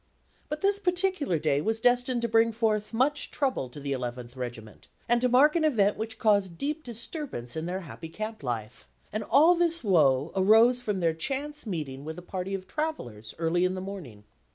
But this particular day was destined to bring forth much trouble to the Eleventh Regiment, and to mark an event which caused deep disturbance in their happy camp life; and all this woe arose from their chance meeting with a party of travellers early in the morning.